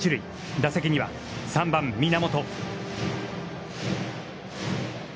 打席は、３番源。